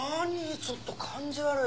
ちょっと感じ悪い。